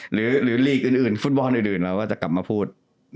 หรือฟุตบอลอื่นเราจะกลับมาพูด